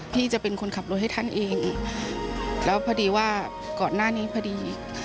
ที่จะเป็นคนขับรถให้ท่านเองแล้วพอดีว่าก่อนหน้านี้พอดี